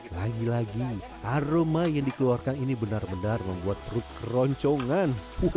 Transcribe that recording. lagi lagi aroma yang dikeluarkan ini benar benar membuat perut keroncongan